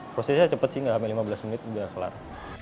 prosesnya cepat sih nggak sampai lima belas menit udah kelar